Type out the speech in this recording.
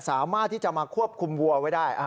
สามารถที่จะมาควบคุมวัวไว้ได้